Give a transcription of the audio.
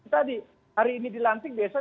tadi hari ini di lantik biasa